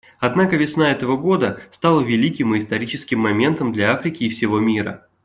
Однако весна этого года стала великим и историческим моментом для Африки и всего мира.